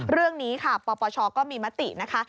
เรื่องนี้ค่ะปปชก็มีมตินะคะ